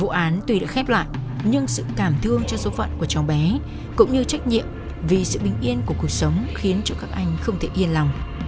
vụ án tuy đã khép lại nhưng sự cảm thương cho số phận của cháu bé cũng như trách nhiệm vì sự bình yên của cuộc sống khiến cho các anh không thể yên lòng